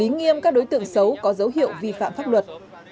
nghiêm các đối tượng xấu có dấu hiệu vi phạm pháp luật